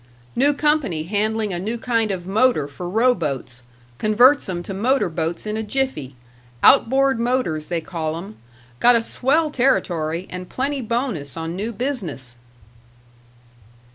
"New company handling a new kind of motor for row boats converts 'em to motor boats in a jiffy outboard motors they call 'em. Got a swell territory and plenty bonus on new business."